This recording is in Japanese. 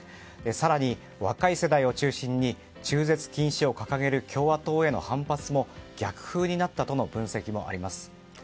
更に、若い世代を中心に中絶禁止を掲げる共和党への反発も逆風になったとの分析もあります。